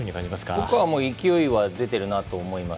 僕は勢いは出てるなと思います。